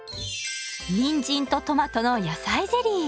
にんじんとトマトの野菜ゼリー。